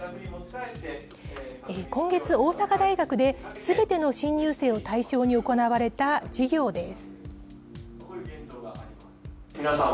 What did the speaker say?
今月、大阪大学ですべての新入生を対象に行われた授業です。